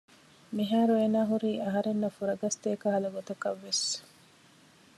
މިހާރު އޭނާ ހުރީ އަހަރެންނަށް ފުރަގަސްދޭ ކަހަލަ ގޮތަކަށްވެސް